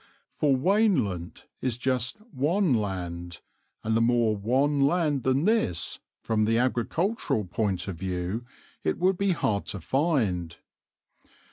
For "Wanelunt" is just "wan land," and a more wan land than this, from the agricultural point of view, it would be hard to find.